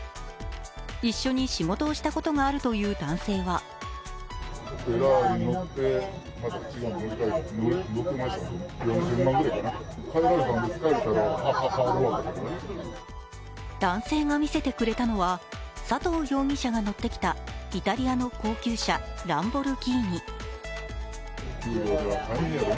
一緒に仕事をしたことがあるという男性は男性が見せてくれたのは佐藤容疑者が乗ってきたイタリアの高級車ランボルギーニ。